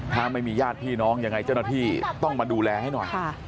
ถ้าไม่มีญาติพี่น้องยังไงเจ้าหน้าที่ต้องมาดูแลให้หน่อย